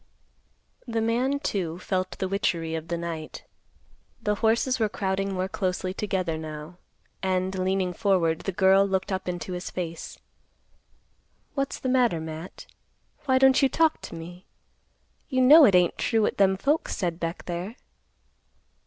The man, too, felt the witchery of the night. The horses were crowding more closely together now, and, leaning forward, the girl looked up into his face; "What's the matter, Matt? Why don't you talk to me? You know it ain't true what them folks said back there."